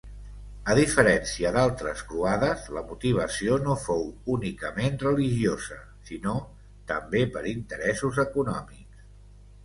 A diferència d'altres croades la motivació no fou únicament religiosa, sinó també per interessos econòmics.